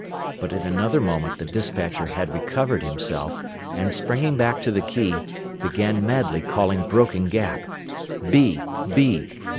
But in another moment the despatcher had recovered himself, and, springing back to the key, began madly calling Broken Gap.